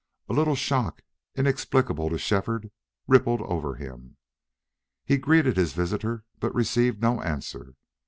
A little shock, inexplicable to Shefford, rippled over him. He greeted his visitor, but received no answer.